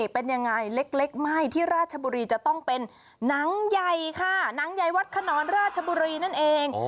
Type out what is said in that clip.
เป็นยังไงเล็กไม่ที่ราชบุรีจะต้องเป็นหนังใหญ่ค่ะหนังใหญ่วัดขนอนราชบุรีนั่นเอง